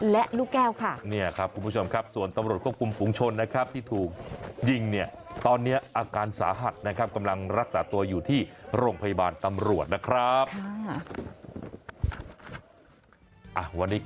และเขาบอกว่า๓๐๐บาทเนี่ยค่าแรงเขานะใช่